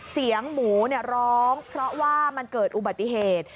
เสียงหมูร้องเพราะว่ามันเกิดอุบัติเหตุ